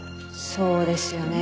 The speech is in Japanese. そうですよね。